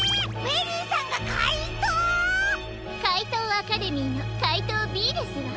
かいとうアカデミーのかいとうＢですわ。